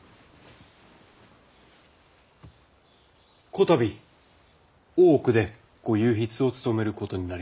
こたび大奥で御右筆を務めることになりました